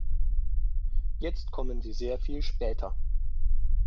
Jetzt kommen sie sehr viel später.